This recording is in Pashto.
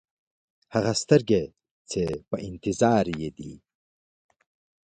هغه سترګې چې په انتظار یې دی.